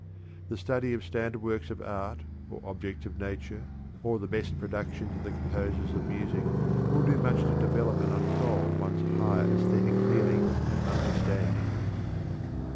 The study of standard works of art, or objects of nature, or the best productions of the composers of music, will do much to develop and unfold one's higher æsthetic feelings and understanding.